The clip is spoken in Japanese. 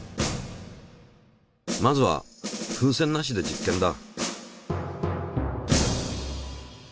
まずは風船なしで実験だ。